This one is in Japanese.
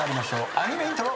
アニメイントロ。